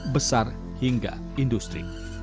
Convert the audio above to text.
besar hingga industri